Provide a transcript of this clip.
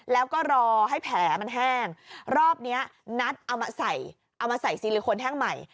แล้วก็รอให้แผลมันแห้งรอบนี้นัดเอามาใส่เอามาใส่ซิลิโคนแห้งใหม่